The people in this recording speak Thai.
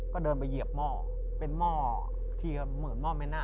ก็เดินไปเหยียบหม้อเป็นหม้อที่เหมือนหม้อไม่น่า